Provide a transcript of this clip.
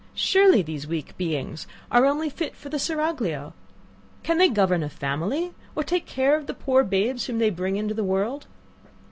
Surely these weak beings are only fit for the seraglio! Can they govern a family, or take care of the poor babes whom they bring into the world?